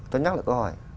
tôi nhắc là có hỏi